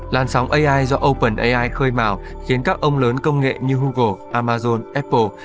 lan sóng ai do openai khơi màu khiến các ông lớn công nghệ như google amazon apple